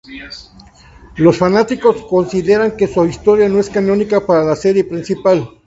Los fanáticos consideran que su historia no es canónica para la serie principal.